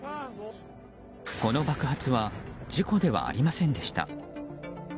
この爆発は事故ではありませんでした。